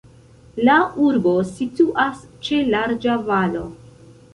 La urbo situas ĉe larĝa valo.